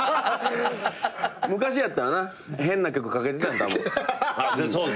昔やったらな変な曲かけてたたぶん。